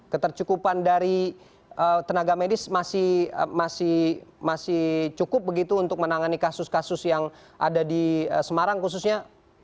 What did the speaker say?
ketercukupan dari tenaga medis masih cukup begitu untuk menangani kasus kasus yang ada di semarang khususnya